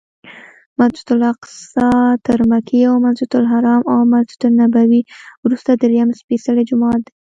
مسجدالاقصی تر مکې او مسجدالحرام او مسجدنبوي وروسته درېیم سپېڅلی جومات دی.